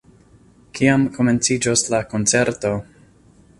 Kiam komenciĝos la koncerto?